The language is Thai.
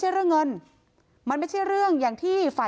คุณพ่อคุณว่าไง